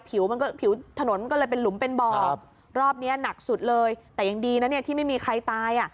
มันก็ผิวถนนมันก็เลยเป็นหลุมเป็นบ่อรอบนี้หนักสุดเลยแต่ยังดีนะเนี่ยที่ไม่มีใครตายอ่ะ